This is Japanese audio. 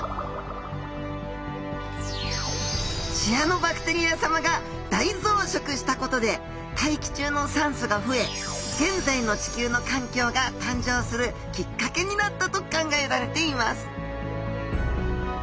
シアノバクテリアさまが大増殖したことで大気中の酸素が増え現在の地球の環境が誕生するきっかけになったと考えられています